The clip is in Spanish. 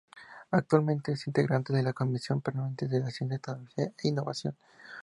Actualmente es integrante de la Comisión Permanente de Ciencia Tecnología e Innovación.